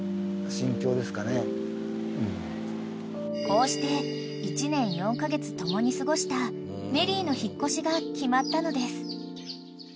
［こうして１年４カ月共に過ごしたメリーの引っ越しが決まったのです］